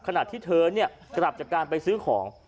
ขณะที่เธอกลับจากการไปซื้อของ